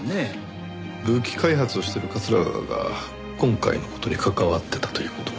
武器開発をしてる桂川が今回の事に関わってたという事は。